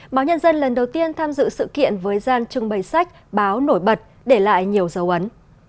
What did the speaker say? báo nhân dân lần đầu tiên tham dự sự kiện với gian trưng bày sách báo nổi bật để lại nhiều dấu ấn